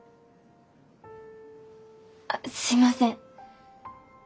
あすいません。